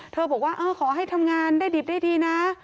บอกว่าขอให้ทำงานได้ดิบได้ดีนะ